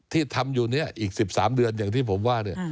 ที่ทำอยู่นี้อีก๑๓เดือนอย่างที่ผมว่า